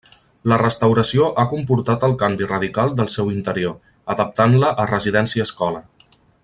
La restauració ha comportat el canvi radical del seu interior, adaptant-la a residència escola.